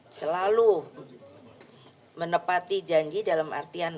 selalu menepati janji dalam artian